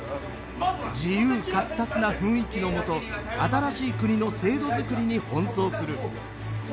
自由闊達な雰囲気のもと新しい国の制度づくりに奔走する。